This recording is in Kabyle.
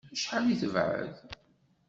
Acḥal i tebɛed?